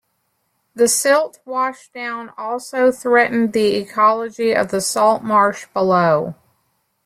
The silt washed down also threatened the ecology of the saltmarsh below.